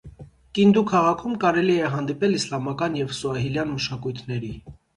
Կինդու քաղաքում կարելի է հանդիպել իսլամական և սուահիլյան մշակույթների։